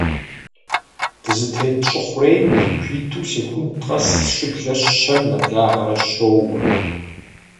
Дызытес Щӏы Хъурейм, ику иту, секунд къэс щыблэр щэм нэблагъэрэ щоуэ.